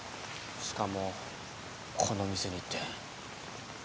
しかもこの店にって。